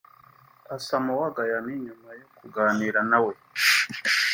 Asamoah Gyan nyuma yo kuganira nawe